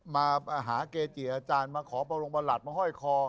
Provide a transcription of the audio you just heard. มาหาเกจิอาจารย์มาขอบรงประหลัดมาห้อยคอ